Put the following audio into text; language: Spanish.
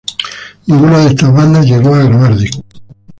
Ninguna de estas bandas llegó a grabar discos.